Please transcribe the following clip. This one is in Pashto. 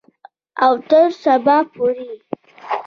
او تر سبا پورې.